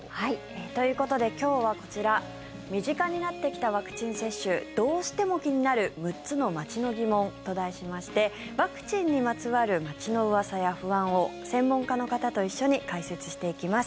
ということで今日はこちら身近になってきたワクチン接種どうしても気になる６つの街の疑問と題しましてワクチンにまつわる街のうわさや不安を専門家の方と一緒に解説していきます。